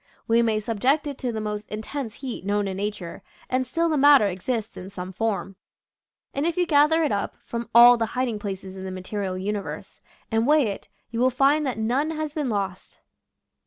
We may subject it to the most intense heat known to nature, and still the matter exists in some form. And if you gather it up, from all the hiding places in the material universe, end weigh it, you will find that none has been lost.